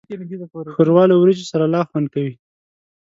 ښوروا له وریجو سره لا خوند کوي.